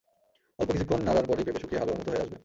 অল্প কিছুক্ষণ নাড়ার পরই পেঁপে শুকিয়ে হালুয়ার মতো হয়ে আসবে।